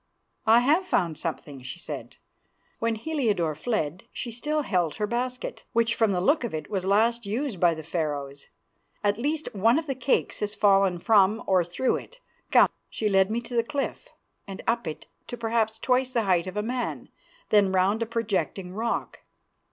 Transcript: "I have found something," she said. "When Heliodore fled she still held her basket, which from the look of it was last used by the Pharaohs. At least, one of the cakes has fallen from or through it. Come." She led me to the cliff, and up it to perhaps twice the height of a man, then round a projecting rock.